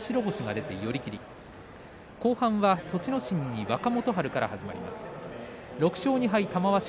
後半は、栃ノ心、若元春から始まります。